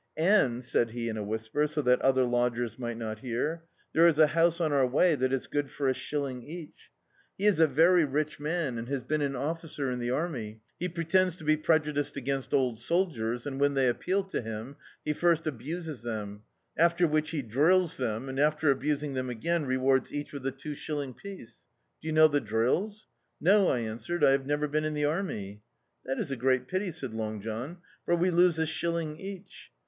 "And," said he, in a whisper, so that other lodgers mi^t not hear — "there is a house on our way that is good for a shilling each. He is a very rich man and has been an officer in the army. He pretends to be prejudiced against old soldiers, and when they appeal to him, he first abuses them, after which he drills them and, after abusing them again rewards each with a two shilling piece. Do you know the drills?" "No," I answered, "I have never been in the army." "That is a great pity," said Long John, "for we lose a shilling each.